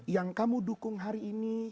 yang kamu dukung hari ini